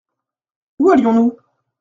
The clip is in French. Où allions-nous ?